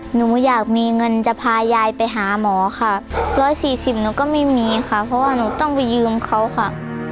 หนูอยากมีเงินจะพายายไปหาหมอค่ะ๑๔๐หนูก็ไม่มีค่ะเพราะว่าหนูต้องไปยืมเขาค่ะ